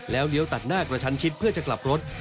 เลี้ยวตัดหน้ากระชันชิดเพื่อจะกลับรถ